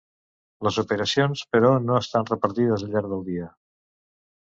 Les operacions, però, no estan repartides al llarg del dia.